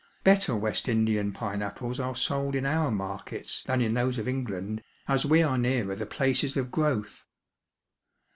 Better West Indian pineapples are sold in our markets than in those of England, as we are nearer the places of growth.